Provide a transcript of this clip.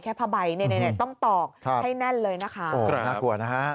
แค่พระใบต้องตอกให้แน่นเลยนะคะ